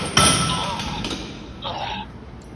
که خوله وازه کړمه مځکي ته رالوېږم